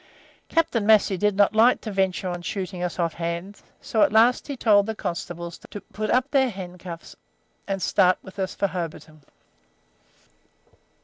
"Captain Massey did not like to venture on shooting us off hand, so at last he told the constables to put up their handcuffs and start with us for Hobarton.